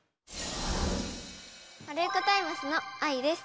ワルイコタイムスのあいです。